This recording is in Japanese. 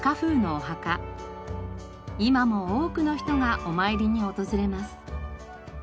今も多くの人がお参りに訪れます。